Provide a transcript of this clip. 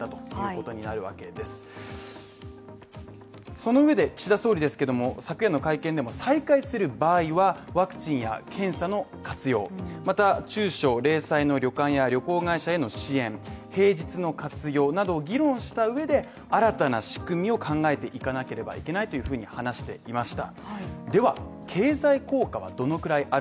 その上で岸田総理ですけども、昨年の会見でも再開する場合は、ワクチンや検査の活用、また、旅館や旅行会社への支援、平日の活用などを議論した上で新たな仕組みを考えていかなければいけないというふうに話していました。